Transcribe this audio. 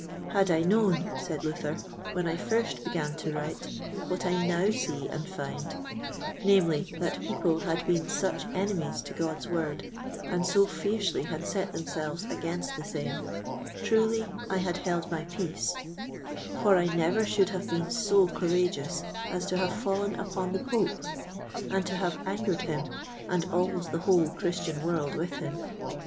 Had I known, said Luther, when I first began to write, what I now see and find, namely, that people had been such enemies to God's Word, and so fiercely had set themselves against the same, truly I had held my peace; for I never should have been so courageous as to have fallen upon the Pope, and to have angered him, and almost the whole Christian world with him.